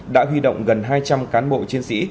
đã huy động gần hai trăm linh cán bộ chiến sĩ